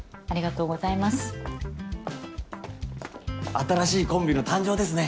新しいコンビの誕生ですね。